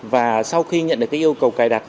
và sau khi nhận được cái yêu cầu cài đặt